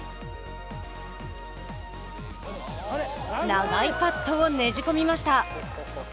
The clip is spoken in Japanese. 長いパットをねじ込みました。